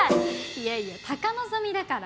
いやいや高望みだから。